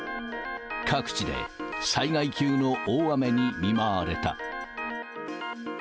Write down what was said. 各地で災害級の大雨に見舞われた。